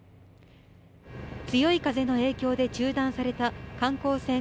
強い風の影響で中断された観光船